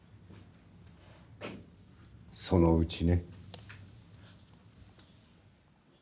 そのうちね。